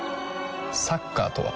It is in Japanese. サッカーとは？